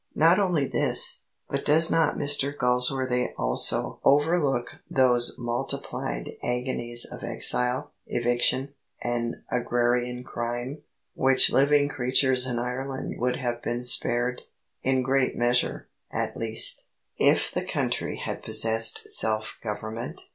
Not only this, but does not Mr Galsworthy also overlook those multiplied agonies of exile, eviction, and agrarian crime, which living creatures in Ireland would have been spared in great measure, at least if the country had possessed self government?